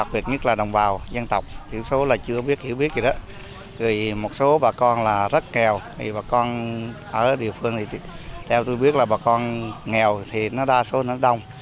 bà con ở địa phương theo tôi biết là bà con nghèo thì nó đa số nó đông